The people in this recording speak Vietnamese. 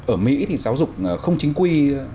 ở mỹ thì giáo dục không chính quy